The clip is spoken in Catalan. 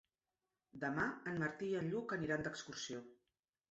Demà en Martí i en Lluc aniran d'excursió.